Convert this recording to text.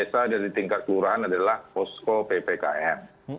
tingkat desa dan tingkat seluruhan adalah posko ppkm